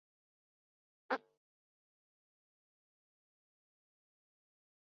黄细心为紫茉莉科黄细心属下的一个种。